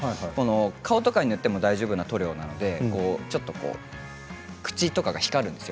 顔とかに塗っても大丈夫な塗料なので口とかが光るんですよ